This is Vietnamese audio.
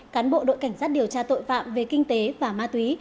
cán bộ đội cảnh sát điều tra tội phạm về kinh tế và ma túy